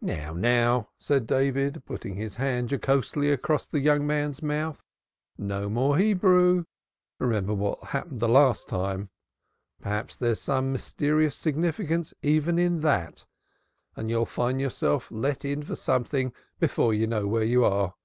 "Now, now," said David, putting his hand jocosely across the young man's mouth. "No more Hebrew. Remember what happened last time. Perhaps there's some mysterious significance even in that, and you'll find yourself let in for something before you know where you are."